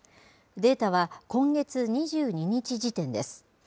データは今月２２日時点です。